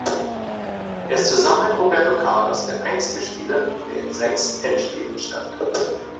Er ist zusammen mit Roberto Carlos der einzige Spieler, der in sechs Endspielen stand.